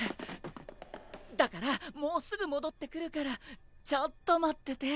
だからもうすぐ戻ってくるからちょっと待ってて。